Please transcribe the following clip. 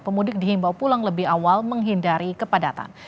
pemudik dihimbau pulang lebih awal menghindari kepadatan